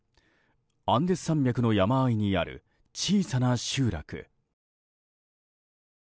アンデス山脈の山あいにある小さな集落。